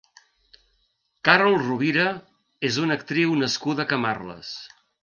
Carol Rovira és una actriu nascuda a Camarles.